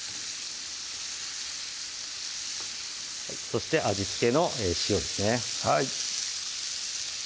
そして味付けの塩ですね